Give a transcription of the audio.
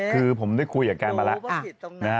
คือผมได้คุยกับแกมาแล้ว